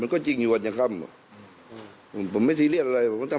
ยังรักเหมือนเดิมผมไม่มีอะไรต้องไปโกรธเขา